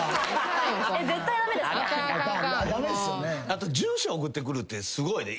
あと住所送ってくるってすごいで。